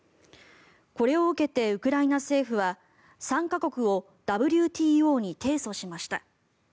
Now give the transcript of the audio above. これを受けて、ウクライナ政府は３か国をＷＴＯに提訴しました。